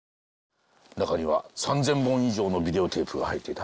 中には３，０００本以上のビデオテープが入っていた。